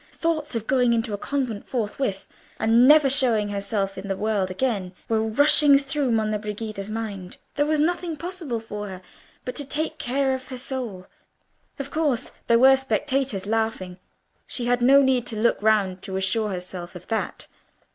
Thoughts of going into a convent forthwith, and never showing herself in the world again, were rushing through Monna Brigida's mind. There was nothing possible for her but to take care of her soul. Of course, there were spectators laughing: she had no need to look round to assure herself of that.